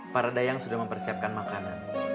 para dayang sudah mempersiapkan makanan